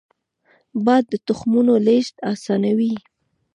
باد د تخمونو لیږد اسانوي